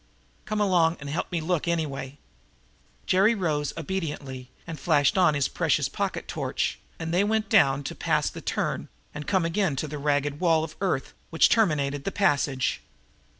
Come along and help me look, anyway." Jerry rose obediently and flashed on his precious pocket torch, and they went down to pass the turn and come again to the ragged wall of earth which terminated the passage.